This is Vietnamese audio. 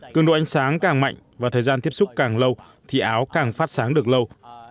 cường độ ánh sáng càng mạnh và thời gian tiếp xúc càng lâu thì áo càng phát sáng được lâu